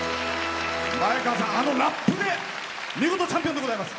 前川さん、あのラップで見事チャンピオンでございます。